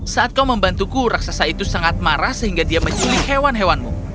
saat kau membantuku raksasa itu sangat marah sehingga dia menculik hewan hewanmu